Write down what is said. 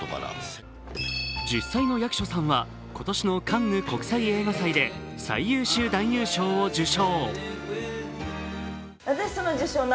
実際の役所さんは今年のカンヌ国際映画祭で最優秀男優賞を受賞。